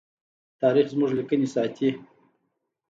تاریخ زموږ لیکنې ساتي.